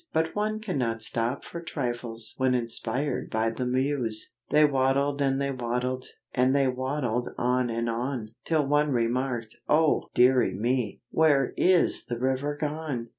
But one cannot stop for trifles when inspired by the Muse. They waddled and they waddled, and they waddled on and on, Till one remarked, "oh! deary me, where is the river gone?